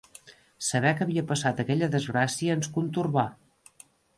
Saber que havia passat aquella desgràcia ens contorbà.